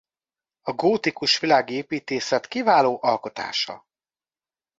A gótikus világi építészet kiváló alkotása.